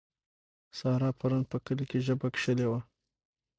سارا پرون په کلي کې ژبه کښلې وه.